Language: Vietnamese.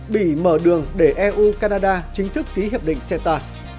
bị mở đường để eu canada chính thức ký hiệp định seta